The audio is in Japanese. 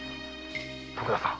徳田さん